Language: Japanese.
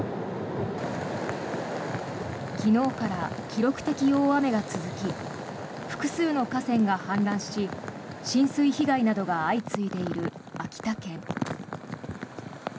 昨日から記録的大雨が続き複数の河川が氾濫し浸水被害などが相次いでいる秋田県。